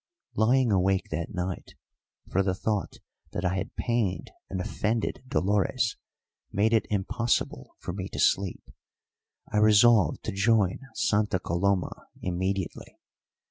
Lying awake that night for the thought that I had pained and offended Dolores made it impossible for me to sleep I resolved to join Santa Coloma immediately.